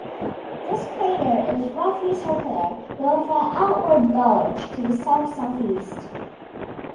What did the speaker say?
This crater is roughly circular, but with an outward bulge to the south-southeast.